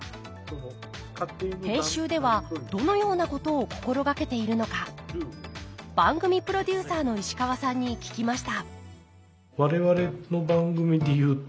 編集ではどのようなことを心掛けているのか番組プロデューサーの石川さんに聞きました